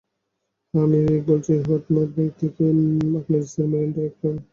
হ্যাঁ আমি রিক বলছি হোয়াটমোর ব্যাংক থেকে, আপনার স্ত্রী মেলিন্ডার একাউন্টের ব্যাপারে।